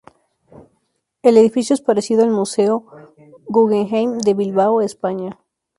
El edificio es parecido al Museo Guggenheim de Bilbao, España.